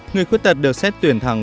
người khuyết tật được xét tuyển thẳng